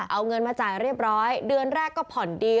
เอาเงินมาจ่ายเรียบร้อยเดือนแรกก็ผ่อนดี